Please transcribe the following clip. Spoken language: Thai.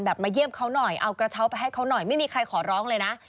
มาเยี่ยมเขาหน่อยเอากระเช้าไปให้เขาหน่อยไม่มีใครขอร้องเลยนะ